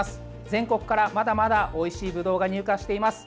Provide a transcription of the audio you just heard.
全国からまだまだおいしいブドウが入荷しています。